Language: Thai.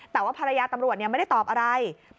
แต่ว่าภรรยาตำรวจไม่ได้ตอบอะไร